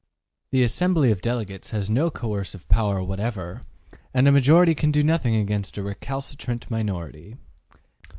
The assembly of delegates has no coercive power whatever, and a majority can do nothing against a recalcitrant minority.